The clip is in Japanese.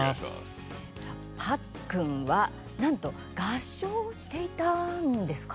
パックンはなんと合唱をしていたんですか？